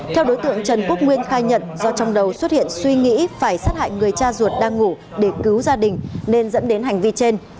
theo đối tượng trần quốc nguyên khai nhận do trong đầu xuất hiện suy nghĩ phải sát hại người cha ruột đang ngủ để cứu gia đình nên dẫn đến hành vi trên